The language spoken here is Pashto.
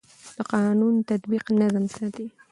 د قانون تطبیق نظم ساتي